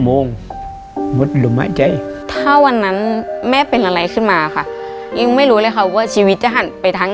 โอ้น้ำมันน้ำมันน้ำมัน